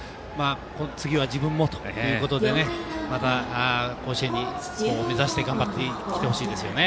次は自分もということでまた、甲子園を目指して頑張ってきてほしいですね。